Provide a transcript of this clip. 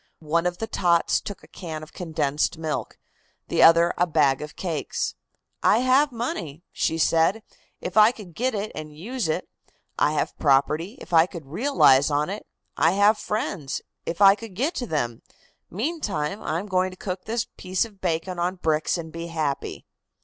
One of the tots took a can of condensed milk, the other a bag of cakes. "I have money," she said, "'if I could get it and use it. I have property, if I could realize on it. I have friends, if I could get to them. Meantime I am going to cook this piece of bacon on bricks and be happy."